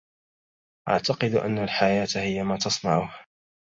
اعتقد ان الحياة هي ما تصنعه.